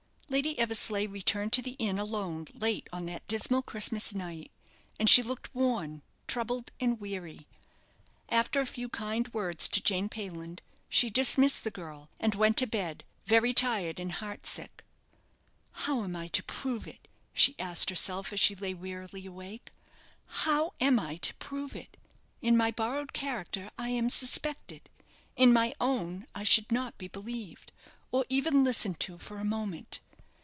Lady Eversleigh returned to the inn alone late on that dismal Christmas night, and she looked worn, troubled, and weary. After a few kind words to Jane Payland, she dismissed the girl, and went to bed, very tired and heart sick. "How am I to prove it?" she asked herself, as she lay wearily awake. "How am I to prove it? in my borrowed character I am suspected; in my own, I should not be believed, or even listened to for a moment.